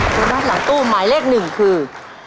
โบนัสหลังตู้หมายเลขหนึ่งคือ